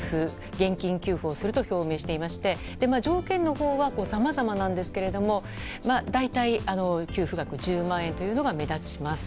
現金給付をすると表明していまして条件のほうはさまざまなんですけれども大体、給付額１０万円というのが目立ちます。